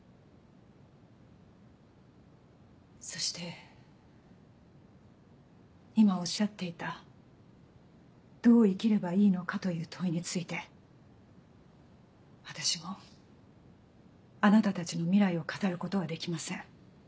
そして今おっしゃっていた「どう生きればいいのか」という問いについて私もあなたたちの未来を語ることはできません。